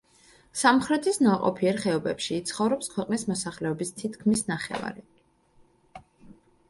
სამხრეთის ნაყოფიერ ხეობებში ცხოვრობს ქვეყნის მოსახლეობის თითქმის ნახევარი.